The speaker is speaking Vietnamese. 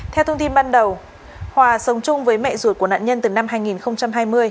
theo thông tin ban đầu hòa sống chung với mẹ ruột của nạn nhân từ năm hai nghìn hai mươi